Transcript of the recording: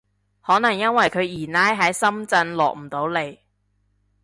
可能因為佢二奶喺深圳落唔到嚟